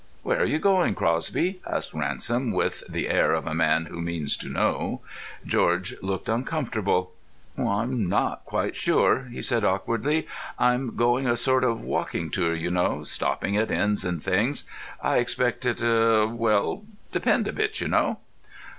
"Where are you going, Crosby?" asked Ransom, with the air of a man who means to know. George looked uncomfortable. "I'm not quite sure," he said awkwardly. "I'm going a sort of walking tour, you know; stopping at inns and things. I expect it—er—will depend a bit, you know."